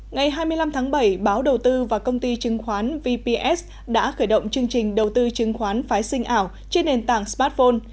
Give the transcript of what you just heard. ngày hai mươi năm tháng bảy báo đầu tư và công ty chứng khoán vps đã khởi động chương trình đầu tư chứng khoán phái sinh ảo trên nền tảng smartphone